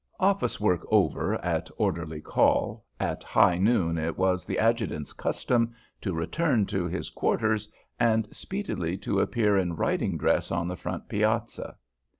Office work over at orderly call, at high noon it was the adjutant's custom to return to his quarters and speedily to appear in riding dress on the front piazza.